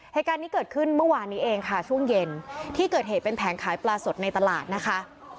เหตุการณ์นี้เกิดขึ้นเมื่อวานนี้เองค่ะช่วงเย็นที่เกิดเหตุเป็นแผงขายปลาสดในตลาดนะคะ